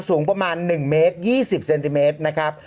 โอเคโอเคโอเคโอเคโอเค